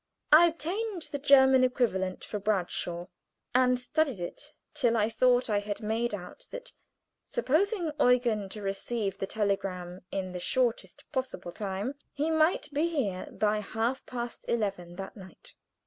I obtained the German equivalent for Bradshaw, and studied it till I thought I had made out that, supposing Eugen to receive the telegram in the shortest possible time, he might be here by half past eleven that night.